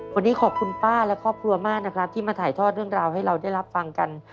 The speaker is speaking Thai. วันนี้ขอบคุณป้าและครอบครัวมากนะครับที่มาถ่ายทอดเรื่องราวให้เราได้รับฟังกัน